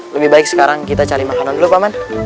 lebih baik sekarang kita cari makanan dulu pak man